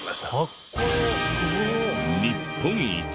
日本一